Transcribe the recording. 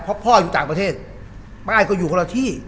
เพราะพ่ออยู่ต่างประเทศไม่ก็อยู่คนละที่